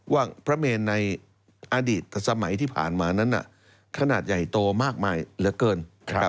ว่าพระเมนในอดีตสมัยที่ผ่านมานั้นขนาดใหญ่โตมากมายเหลือเกิน